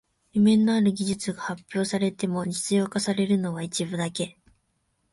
夢のある技術が発表されても実用化されるのは一部だけ